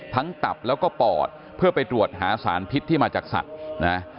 ตับแล้วก็ปอดเพื่อไปตรวจหาสารพิษที่มาจากสัตว์นะ